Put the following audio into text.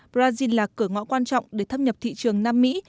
brazil là cửa ngõ quan trọng để thâm nhập thị trường nam mỹ